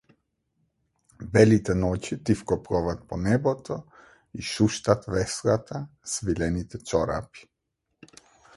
Белите ноќи тивко пловат по небото, и шуштат веслата, свилените чорапи.